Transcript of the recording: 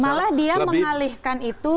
malah dia mengalihkan itu